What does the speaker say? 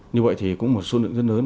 như vậy thì cũng một số lượng rất lớn